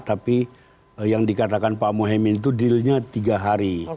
tapi yang dikatakan pak mohaimin itu dealnya tiga hari